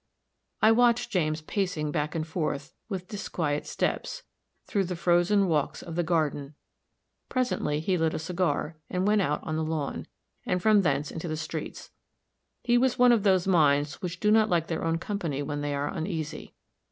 I watched James pacing back and forth, with disquiet steps, through the frozen walks of the garden; presently he lit a cigar, and went out on the lawn, and from thence into the streets. His was one of those minds which do not like their own company when they are uneasy.